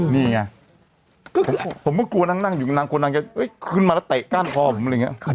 นี่ไงผมก็กลัวนั่งอยู่นางกลัวนางจะขึ้นมาแล้วเตะก้านคอผมอะไรอย่างนี้